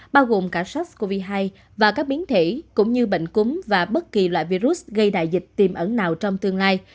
bao gồm cả sars cov hai và các biến thể cũng như bệnh cúm và bất kỳ loại virus gây đại dịch tiềm ẩn nào trong tương lai